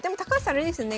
あれですよね